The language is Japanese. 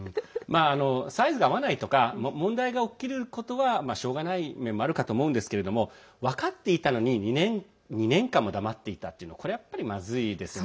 サイズが合わないとか問題が起きることはしょうがない面もあるかと思うんですけれども分かっていたのに２年間も黙っていたというのはこれ、やっぱりまずいですよね。